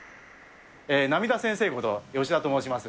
なみだ先生こと、吉田と申します。